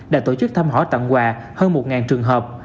đã tổ chức thăm hỏi tặng quà hơn một trường hợp